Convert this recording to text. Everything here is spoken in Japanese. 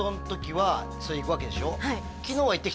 はい